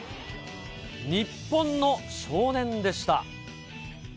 日本の少年でした。